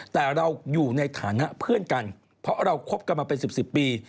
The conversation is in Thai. แต่เราอยู่ในฐานะเพื่อนกันเพราะเราคบกันมาเป็น๑๐ปี